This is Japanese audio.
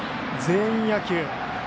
全員野球。